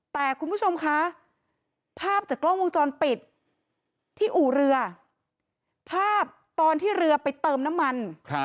แต่คุณผู้ชมคะภาพจากกล้องวงจรปิดที่อู่เรือภาพตอนที่เรือไปเติมน้ำมัน